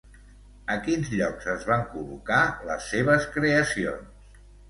A quins llocs es van col·locar les seves creacions?